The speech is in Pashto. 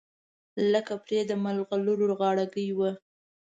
لکه پرې د مرغلرو غاړګۍ وه